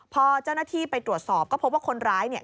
พอเจ้าหน้าที่ไปตรวจสอบก็พบว่าคนร้ายเนี่ย